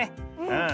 うん！